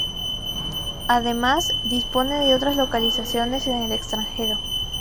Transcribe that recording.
Además, dispone de otras localizaciones en el extranjero.